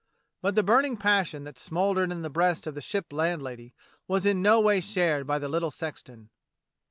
But the burning passion that smouldered in the breast of the Ship landlady was in no way shared by the little sexton.